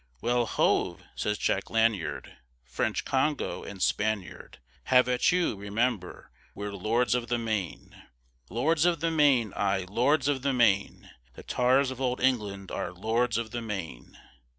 "Well hove!" says Jack Lanyard, "French, Congo, and Spaniard, Have at you! remember, we're Lords of the Main. Lords of the Main, aye, Lords of the Main; The Tars of old England are Lords of the Main!"